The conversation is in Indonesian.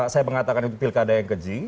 saya mengatakan itu pilkada yang keji